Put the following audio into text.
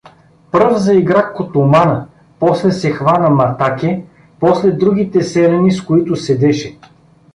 Пръв заигра Котомана, после се хвана Матаке, после другите селяни, с които седеше.